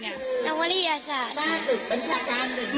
น้องวลิสัตย์